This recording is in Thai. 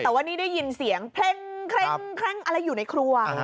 แต่วันนี้ได้ยินเสียงเคร้งเคร้งเคร้งอะไรอยู่ในครัวอ่า